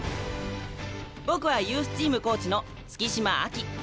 僕はユースチームコーチの月島亜希。